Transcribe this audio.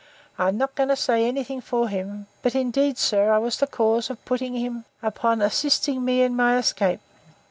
—I am not going to say any thing for him; but, indeed, indeed, sir, I was the cause of putting him upon assisting me in my escape.